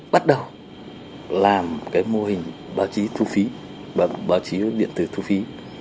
bắt đầu làm mô hình báo chí thu phí báo chí điện tử thu phí